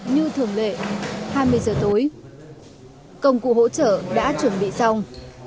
như thường lệ hai mươi giờ tối công cụ hỗ trợ đã chuẩn bị xong